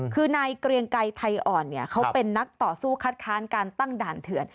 คือนายเกรียงไกรไทยอ่อนเนี่ยเขาเป็นนักต่อสู้คัดค้านการตั้งด่านเถื่อน